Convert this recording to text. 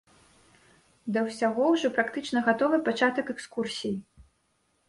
Да ўсяго, ужо практычна гатовы пачатак экскурсіі.